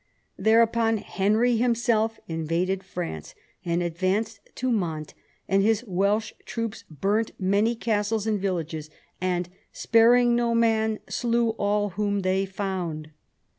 Thereupon Henry himself invaded France, and advanced to Mantes, and his Welch troops burnt many castles and villages, and, "sparing no man, slew all whom they found."